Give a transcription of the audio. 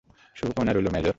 শুভকামনা রইল, মেজর।